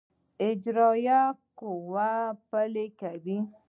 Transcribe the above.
اجرائیه قوه قوانین پلي کوي